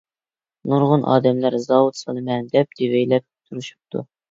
نۇرغۇن ئادەملەر زاۋۇت سالىمەن دەپ، دېۋەيلەپ تۇرۇشۇپتۇ.